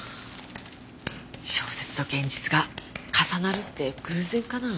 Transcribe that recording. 小説と現実が重なるって偶然かな？